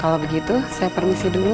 kalau begitu saya permisi dulu